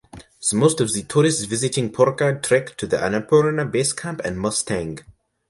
Most of the tourists visiting Pokhara trek to the Annapurna Base Camp and Mustang.